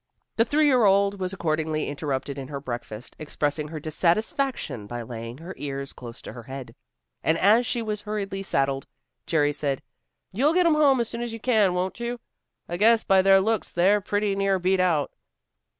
The three year old was accordingly interrupted in her breakfast, expressing her dissatisfaction by laying her ears close to her head. And as she was hurriedly saddled, Jerry added, "You'll get 'em home as soon as you can, won't you? I guess by their looks they're pretty near beat out."